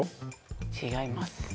違います